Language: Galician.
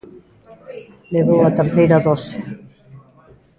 Levou a terceira dose.